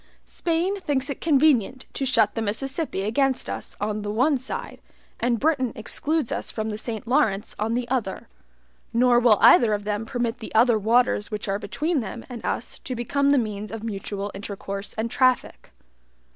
Spain thinks it convenient to shut the Mississippi against us on the one side, and Britain excludes us from the Saint Lawrence on the other; nor will either of them permit the other waters which are between them and us to become the means of mutual intercourse and traffic.